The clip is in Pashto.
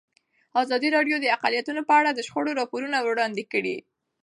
ازادي راډیو د اقلیتونه په اړه د شخړو راپورونه وړاندې کړي.